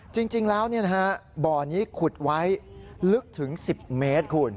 จริงแล้วบ่อนี้ขุดไว้ลึกถึง๑๐เมตรคุณ